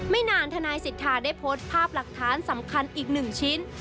ไม่นานทนายสิทธาได้โพสต์ภาพหลักฐานสำคัญอีกหนึ่งชิ้น